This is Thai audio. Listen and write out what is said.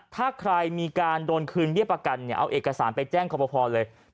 ถ้าใครมีการโดนคืนเบี้ยประกันเอาเอกสารไปแจ้งครอบครัวเลย